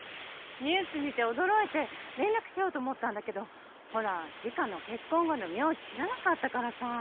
ニュース見て驚いて連絡しようと思ったんだけどほら里香の結婚後の名字知らなかったからさ。